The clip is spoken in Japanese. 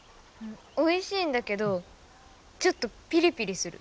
おいしいんだけどちょっとピリピリする。